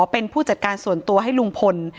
เป็นผู้จัดการส่วนตัวให้ลุงพล